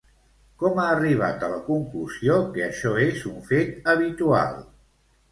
Com ha arribat a la conclusió que això és un fet habitual?